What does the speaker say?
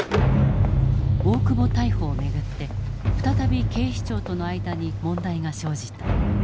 大久保逮捕を巡って再び警視庁との間に問題が生じた。